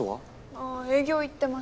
あぁ営業行ってます。